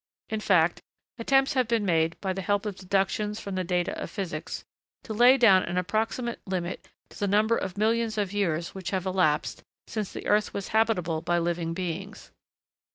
In fact, attempts have been made, by the help of deductions from the data of physics, to lay down an approximate limit to the number of millions of years which have elapsed since the earth was habitable by living beings.